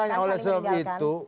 makanya oleh sebab itu